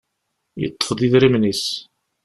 Yeṭṭef-d idrimen-is.